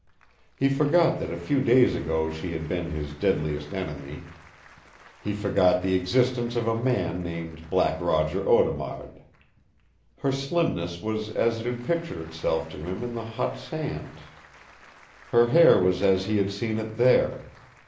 He forgot that a few days ago she had been his deadliest enemy. He forgot the existence of a man named Black Roger Audemard. Her slimness was as it had pictured itself to him in the hot sands. Her hair was as he had seen it there.